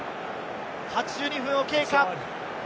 ８２分を経過。